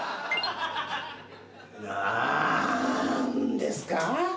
なんですか？